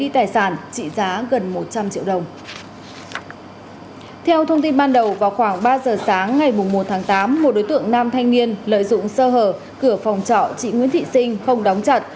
theo thông tin ban đầu vào khoảng ba giờ sáng ngày một tháng tám một đối tượng nam thanh niên lợi dụng sơ hở cửa phòng trọ chị nguyễn thị sinh không đóng chặn